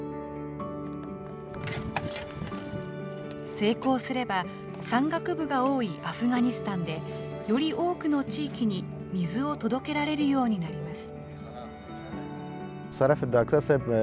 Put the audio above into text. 成功すれば、山岳部が多いアフガニスタンで、より多くの地域に水を届けられるようになります。